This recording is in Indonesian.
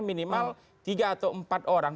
minimal tiga atau empat orang